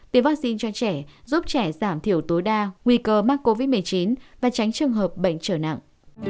tiêm vaccine cho trẻ giúp trẻ giảm thiểu tối đa nguy cơ mắc covid một mươi chín và tránh trường hợp bệnh trở nặng